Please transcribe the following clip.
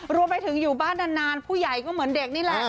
รวมไปถึงอยู่บ้านนานผู้ใหญ่ก็เหมือนเด็กนี่แหละ